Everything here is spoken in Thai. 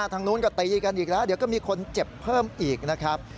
ทางนู้นก็ตีกันอีกแล้วเดี๋ยวก็มีคนเจ็บเพิ่มอีกนะครับ